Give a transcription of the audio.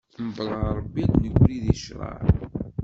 Mebla Rebbi ar d-negri di craɛ.